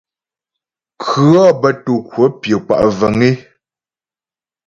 Kʉɔ̌ bə́ tǒ kwəp pyə̌ kwa' vəŋ é.